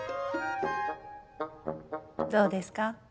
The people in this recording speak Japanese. どうですか？